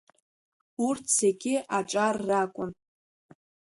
Урҭ зегьы аҿар ракәын.